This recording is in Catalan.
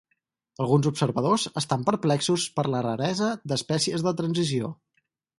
Alguns observadors estan perplexos per la raresa d'espècies de transició.